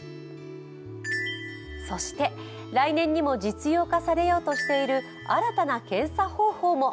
そして、来年にも実用化されようとしている新たな検査方法も。